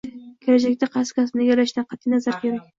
Kelajakda qaysi kasbni egallashidan qatʼiy nazar kerak